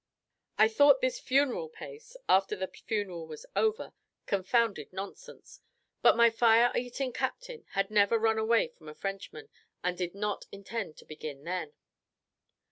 I thought this funeral pace, after the funeral was over, confounded nonsense; but my fire eating captain never had run away from a Frenchman, and did not intend to begin then.